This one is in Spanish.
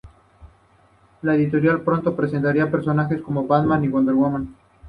La editorial pronto presentaría personajes como Batman y Wonder Woman.